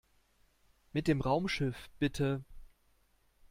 Mit dem Raumschiff, bitte!